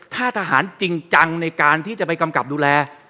ถ้าทหารจริงจังในการที่จะไปกำกับดูแล